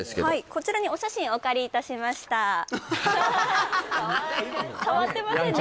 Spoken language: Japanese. こちらにお写真お借りいたしましたかわいらしい変わってませんね